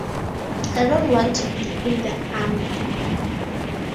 I don’t want to be in the army.